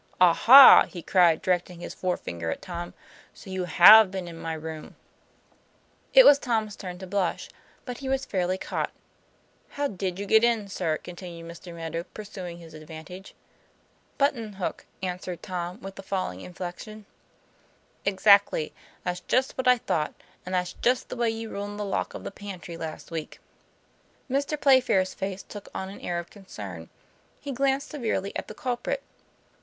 "Aha!" he cried, directing his forefinger at Tom. " So you have be'en in my room ?" TOM PLA YFAIR. IS It was Tom's turn to blush; he was fairly caught. " How did you get in, sir ?" continued Mr. Meadow, pursuing his advantage. "Button hook," answered Tom, with the falling inflection. " Exactly that's just what I thought, and that's just the way you ruined the lock of the pantry last week." Mr. Playfair's face took on an air of concern; he glanced severely at the culprit.